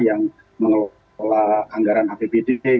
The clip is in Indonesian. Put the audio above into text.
yang mengelola anggaran hpbd